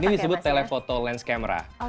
iya ini disebut telephoto lens camera